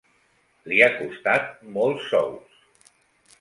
Li ha costat molts sous.